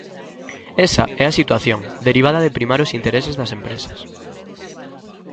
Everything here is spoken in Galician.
Esa é a situación, derivada de primar os intereses das empresas.